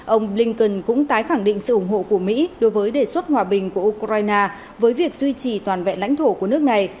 ông blinken cũng tái khẳng định sự ủng hộ của mỹ đối với đề xuất hòa bình của ukraine với việc duy trì toàn vẹn lãnh thổ của nước này